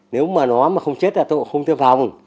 nếu mà nó mà không chết là tôi cũng không tiêm phòng